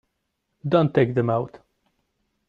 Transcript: Don't take them out.